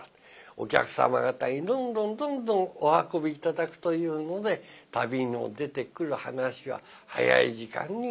お客様方にどんどんどんどんお運び頂くというので旅の出てくる噺は早い時間に行うわけです。